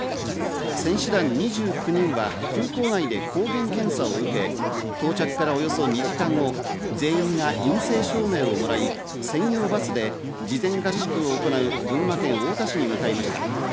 選手団２９人は空港内で抗原検査を受け、到着からおよそ２時間後、全員が陰性証明をもらい、専用バスで事前合宿を行う群馬県太田市に向かいました。